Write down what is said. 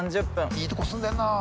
いいとこ住んでんなあ。